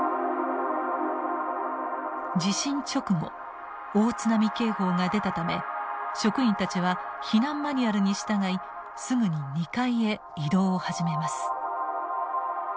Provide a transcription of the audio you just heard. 地震直後大津波警報が出たため職員たちは避難マニュアルに従いすぐに２階へ移動を始めます。